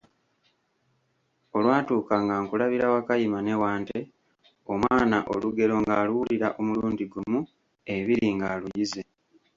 Olwatuuka nga nkulabira Wakayima ne Wante... Omwana olugero ng'aluwulira omulundi gumu, ebiri, ng'aluyize.